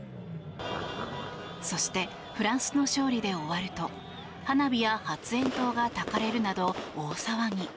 そしてフランスの勝利で終わると花火や発煙筒がたかれるなど大騒ぎ。